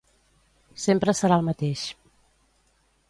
Sempre serà el mateix.